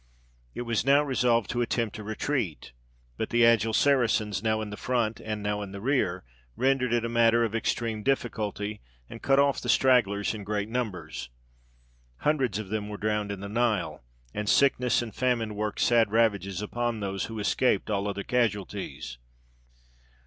It was now resolved to attempt a retreat; but the agile Saracens, now in the front and now in the rear, rendered it a matter of extreme difficulty, and cut off the stragglers in great numbers. Hundreds of them were drowned in the Nile; and sickness and famine worked sad ravages upon those who escaped all other casualties.